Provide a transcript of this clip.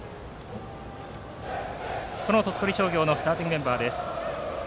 その鳥取のスターティングメンバーです。